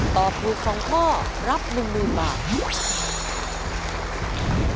ตอบถูก๒ข้อรับ๑๐๐๐บาท